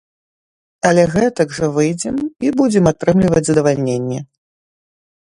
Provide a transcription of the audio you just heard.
Але гэтак жа выйдзем і будзем атрымліваць задавальненне.